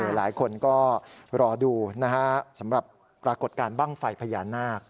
หลายคนก็รอดูนะฮะสำหรับปรากฏการณ์บ้างไฟพญานาค